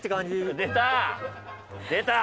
出た！